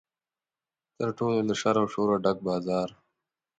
تر ټولو له شر او شوره ډک بازار.